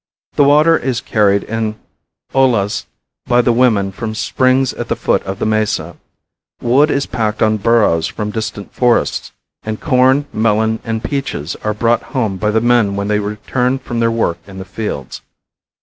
The water is carried in ollas by the women from springs at the foot of the mesa; wood is packed on burros from distant forests; and corn, melons and peaches are brought home by the men when they return from their work in the fields.